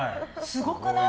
すごくない？